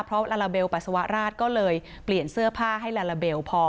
เพราะลาลาเบลปัสสาวะราชก็เลยเปลี่ยนเสื้อผ้าให้ลาลาเบลพอ